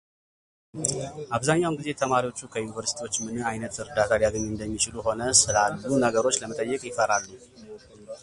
አብዛኛውን ጊዜ ተማሪዎቹ ከየዩኒቨርስቲዎቹ ምን ዓይነት እርዳታ ሊያገኙ እንደሚችሉም ሆነ ስላሉ ነገሮች ለመጠየቅ ይፈራሉ።